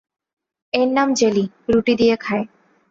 এর নাম জেলি, রুটি দিয়ে খায়।